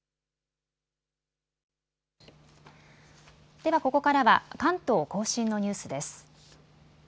では、ここからは関東甲信のニュースです。